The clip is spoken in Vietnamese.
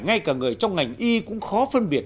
ngay cả người trong ngành y cũng khó phân biệt